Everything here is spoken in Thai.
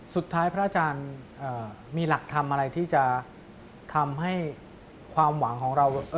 สุดท้ายพระอาจารย์มีหลักธรรมอะไรที่จะทำให้ความหวังของเราเรืองรองขึ้นมา